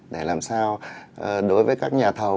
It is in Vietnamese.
để làm sao đối với các nhà thầu